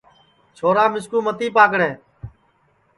چھورا مِسکُو متی پاکڑے